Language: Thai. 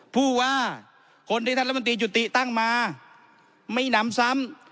พูดว่าคนที่ธรรมนตรีจุติตั้งมาไม่นำซ้ำ